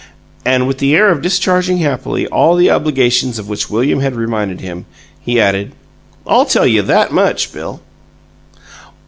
And, with the air of discharging happily all the obligations of which William had reminded him, he added, "I'll tell you THAT much, Bill!"